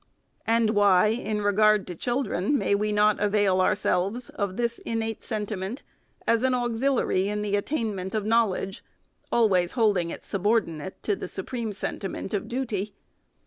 And why, in regard to children, may we not avail our selves of this innate sentiment as an auxiliary in the at tainment of knowledge ; always holding it subordinate to the supreme sentiment of duty